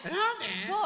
そう！